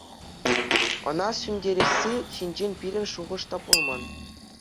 Ӑна сӳнтересси ҫинчен пирӗн шухӑш та пулман.